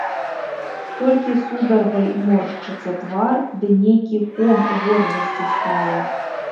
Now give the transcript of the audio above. Толькі сударгай моршчыцца твар ды нейкі ком горла сціскае.